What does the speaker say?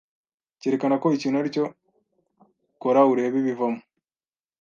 cyerekana ko ikintu ari cyo kora urebe ibivamo